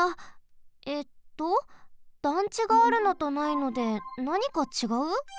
えっと団地があるのとないのでなにかちがう？